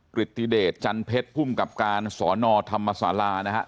กฤทธิเดชจันทร์เพชรพุ่มกับการสอนอธรรมศาลานะครับ